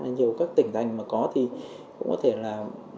nhiều các tỉnh thành mà có thì cũng có thể là